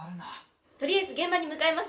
とりあえず現場に向かいます。